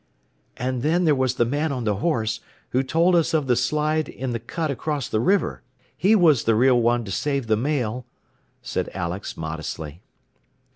"And then there was the man on the horse, who told us of the slide in the cut across the river. He was the real one to save the Mail," said Alex, modestly.